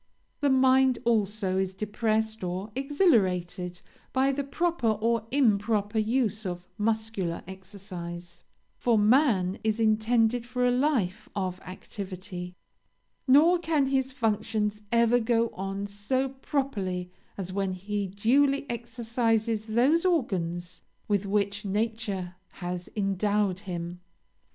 The mind also is depressed or exhilarated by the proper or improper use of muscular exercise; for man is intended for a life of activity: nor can his functions ever go on so properly as when he duly exercises those organs with which Nature has endowed him.